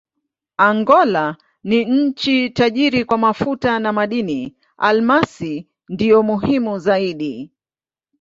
Angola ni nchi tajiri kwa mafuta na madini: almasi ndiyo muhimu zaidi.